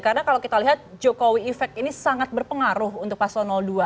karena kalau kita lihat jokowi effect ini sangat berpengaruh untuk paslon dua